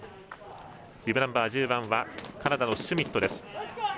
ビブナンバー１０番はカナダのシュミットです。